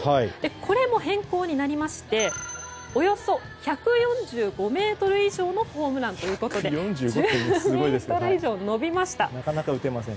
これも変更になりましておよそ１４５ｍ以上のホームランということで１０ｍ以上伸びました。